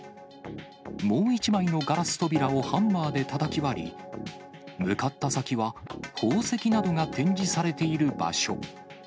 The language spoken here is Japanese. もう１枚のガラス扉をハンマーでたたき割り、向かった先は、宝石などが展示されている場所。